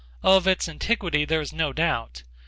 Of its antiquity there is no doubt.